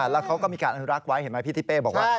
แล้วเขาก็มีการอนุรักษ์ไว้เห็นไหมพี่ทิเป้บอกว่า